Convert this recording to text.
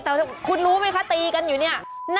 แต่คุณรู้ไหมคะตีกันอยู่เนี่ย